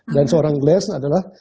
dan seorang glass adalah